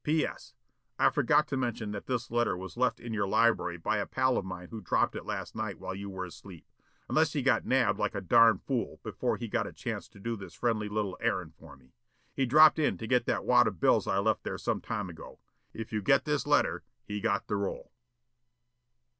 P. S. I forgot to mention that this letter was left in your library by a pal of mine who dropped in last night while you was asleep, unless he got nabbed like a darned fool before he got a chance to do this friendly little errand for me. He dropped in to get that wad of bills I left there some time ago. If you get this letter he got the roll.